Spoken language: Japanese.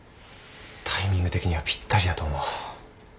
タイミング的にはぴったりだと思う。